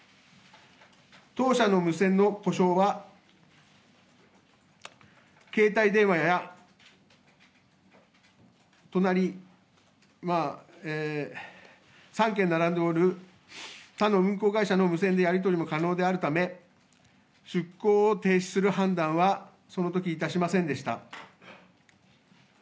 当社の無線の故障は、携帯電話や、となり、３軒並んでおる他の運航会社の無線でやり取りも可能であるため、出航を停止する判断はそのときいたしませんでした。